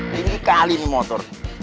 tinggi kali ini motor